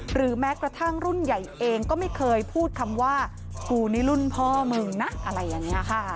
หรือแม้กระทั่งรุ่นใหญ่เองก็ไม่เคยพูดคำว่ากูนี่รุ่นพ่อมึงนะอะไรอย่างนี้ค่ะ